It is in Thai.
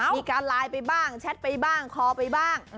มีการไลน์ไปบ้างแชทไปบ้างคอไปบ้าง